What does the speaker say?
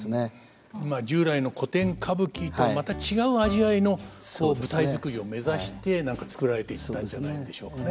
まあ従来の古典歌舞伎とまた違う味わいの舞台作りを目指して何か作られていったんじゃないんでしょうかね。